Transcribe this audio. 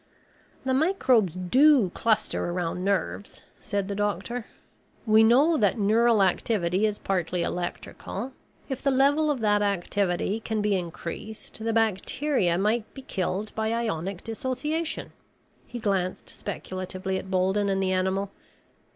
"The microbes do cluster around nerves," said the doctor. "We know that neural activity is partly electrical. If the level of that activity can be increased, the bacteria might be killed by ionic dissociation." He glanced speculatively at Bolden and the animal.